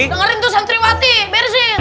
dengarin tuh santriwati beresin